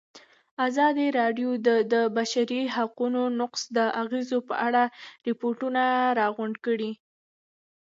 ازادي راډیو د د بشري حقونو نقض د اغېزو په اړه ریپوټونه راغونډ کړي.